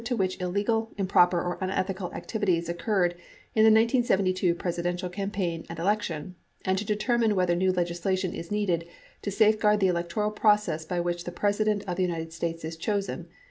to which illegal, improper, or unethical activities'' occurred in the 1972 Presidential campaign and election and to deter mine whether new legislation is needed "to safeguard the electoral process by which the President of the United States is chosen."